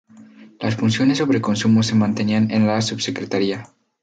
Las funciones sobre consumo se mantenían en la Subsecretaría.